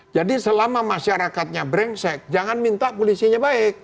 jadi selama masyarakatnya brengsek jangan minta polisinya baik